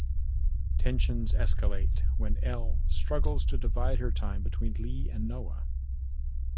Tensions escalate when Elle struggles to divide her time between Lee and Noah.